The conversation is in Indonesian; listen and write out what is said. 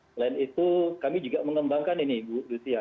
selain itu kami juga mengembangkan ini bu lucia